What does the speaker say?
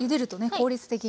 効率的に。